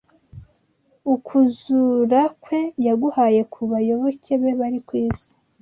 ukuzura kwe yaguhaye ku bayoboke be bari ku isi